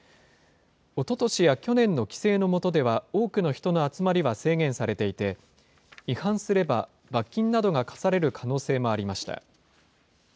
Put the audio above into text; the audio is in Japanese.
おととしや去年の規制の下では、多くの人の集まりは制限されていて、違反すれば、罰金などが科される可能性もありました。